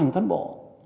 một mươi một cán bộ